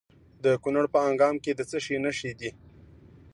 د کونړ په دانګام کې د څه شي نښې دي؟